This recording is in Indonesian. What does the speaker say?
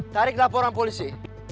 tarik laporan polisi